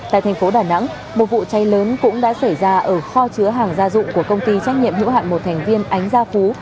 tại thành phố đà nẵng một vụ cháy lớn cũng đã xảy ra ở kho chứa hàng gia dụng của công ty trách nhiệm hữu hạn một thành viên ánh gia phú